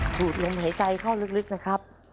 สูดลมหายใจเข้าลึกนะครับ